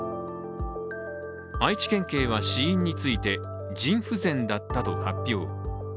愛知県警は死因について腎不全だったと発表。